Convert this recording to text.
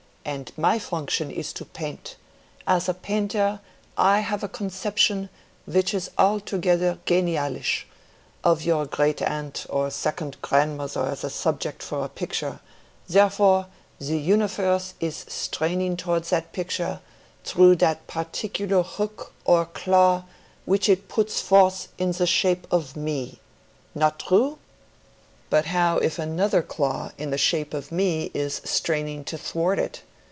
_ and my function is to paint—and as a painter I have a conception which is altogether genialisch, of your great aunt or second grandmother as a subject for a picture; therefore, the universe is straining towards that picture through that particular hook or claw which it puts forth in the shape of me—not true?" "But how if another claw in the shape of me is straining to thwart it?